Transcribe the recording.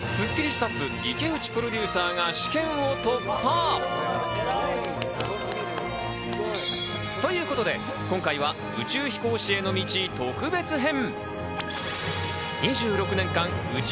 スタッフ・池内プロデューサーが、試験を突破。ということで、今回は宇宙飛行士への道、特別編。